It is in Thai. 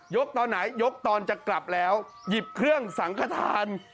ตอนไหนยกตอนจะกลับแล้วหยิบเครื่องสังขทาน